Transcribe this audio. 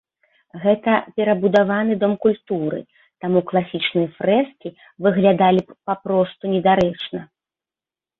Гэта перабудаваны дом культуры, таму класічныя фрэскі выглядалі б папросту недарэчна.